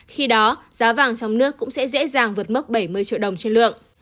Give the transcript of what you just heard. khi đó giá vàng trong nước cũng sẽ dễ dàng vượt mốc bảy mươi triệu đồng trên lượng